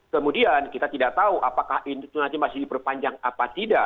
kemudian kita tidak tahu apakah itu nanti masih diperpanjang apa tidak